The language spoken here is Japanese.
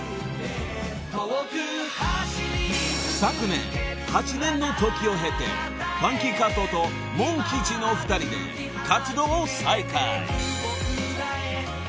［昨年８年の時を経てファンキー加藤とモン吉の２人で活動を再開］